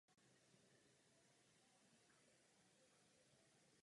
Narodila se ve Phoenixu v Arizoně a chodila na školu Shadow Mountain High School.